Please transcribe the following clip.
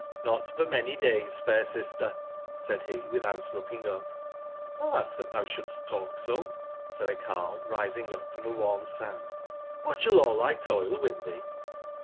'*j^*']Sot for many days, fair sister," said be, witbout looking up J^ '*Hlas tbat tbou sbouldst talk so," said a carle, rising up from tbe warm sand ; ''wbat sball all tby toil win tbee